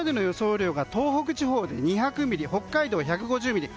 雨量が東北地方で２００ミリ北海道１５０ミリ。